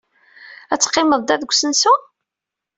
Ad teqqimed da, deg usensu?